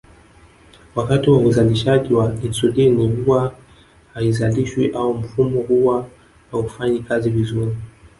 Wakati wa uzalishaji wa insulini huwa haizalishwi au mfumo huwa haufanyi kazi vizuri